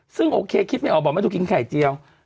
ซึ่งโอเคคิดไม่ออกบอกว่าไม่เอาทุกคนกินไข่เจียว